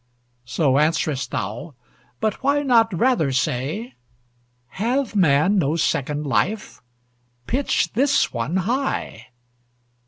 So answerest thou; but why not rather say, "Hath man no second life? Pitch this one high!